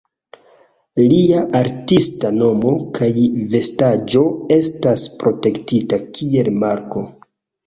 Lia artista nomo kaj vestaĵo estas protektita kiel marko.